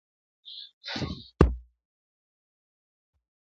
• لا تر څو به د پردیو له شامته ګیله من یو -